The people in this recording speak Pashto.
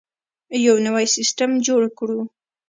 یو نوی سیستم جوړ کړو.